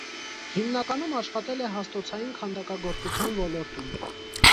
Հիմնականում աշխատել է հաստոցային քանդակագործության ոլորտում։